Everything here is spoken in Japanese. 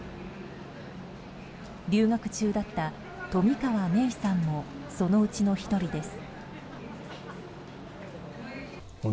留学中だった冨川芽生さんもそのうちの１人です。